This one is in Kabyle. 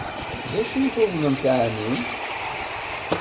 D acu i tuḍnemt ɛni?